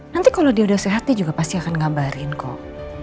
nanti kalau dia udah sehat dia juga pasti akan gambarin kok